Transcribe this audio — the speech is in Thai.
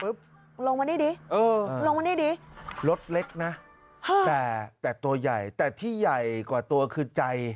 ลงมานี่ดิเออลงมานี่ดิรถเล็กนะแต่แต่ตัวใหญ่แต่ที่ใหญ่กว่าตัวคือใจ